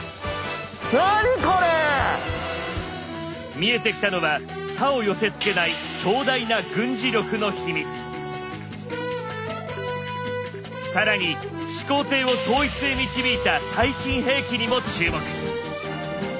見えてきたのは他を寄せつけない強大な更に始皇帝を統一へ導いた「最新兵器」にも注目！